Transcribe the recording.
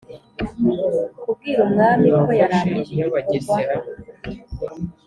kubwira umwami ko yarangije igikorwa..